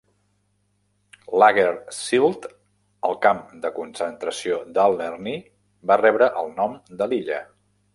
Lager Sylt, el camp de concentració d'Alderney, va rebre el nom de l'illa.